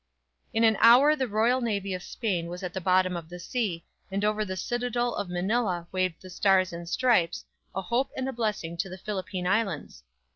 In an hour the royal navy of Spain was at the bottom of the sea, and over the citadel of Manila waved the Stars and Stripes, a hope and a blessing to the Philippine Islands.